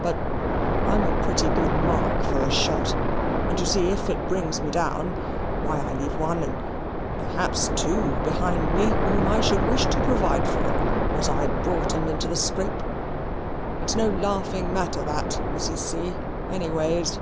"But I'm a pretty good mark for a shot, and you see if it brings me down, why I leave one and perhaps two behind me whom I should wish to provide for, as I brought 'em into the scrape. It is no laughing matter that, Mrs. C., anyways."